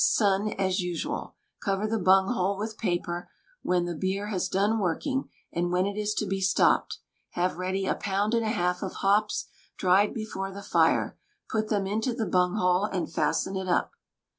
Sun, as usual. Cover the bunghole with paper, when the beer has done working; and when it is to be stopped, have ready a pound and a half of hops, dried before the fire; put them into the bunghole, and fasten it up.